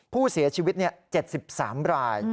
ผู้เสียชีวิต๗๓ราย